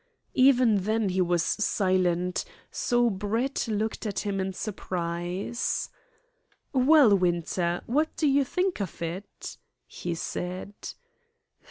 Even then he was silent, so Brett looked at him in surprise, "Well, Winter, what do you think of it?" he said.